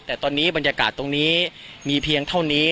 แต่ตอนนี้บรรยากาศตรงนี้มีเพียงเท่านี้